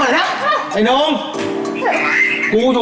ว่า๓บาท๓บาท